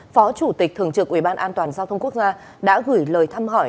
phó chủ tịch thường trực ủy ban an toàn giao thông quốc gia đã gửi lời thăm hỏi